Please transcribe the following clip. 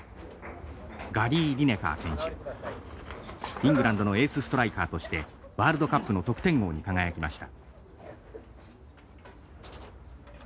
イングランドのエースストライカーとしてワールドカップの得点王に輝きました。